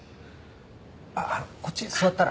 こっち座ったら？